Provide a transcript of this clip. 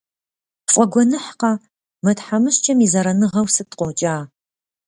ПфӀэгуэныхькъэ, мы тхьэмыщкӀэм и зэраныгъэу сыт къокӀа?